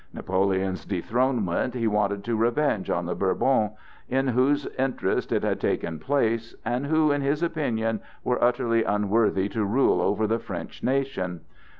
Napoleon's dethronement he wanted to revenge on the Bourbons, in whose interest it had taken place, and who, in his opinion, were utterly unworthy to rule over the French nation.